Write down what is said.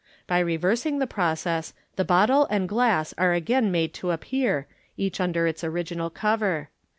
By reversing the process, the bottle and glass are again made to appear, eachundir its original cover.